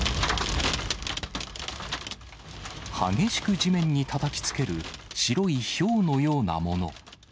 激しく地面にたたきつける白いひょうのようなもの。